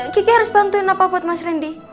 kiki harus bantuin apa buat mas randy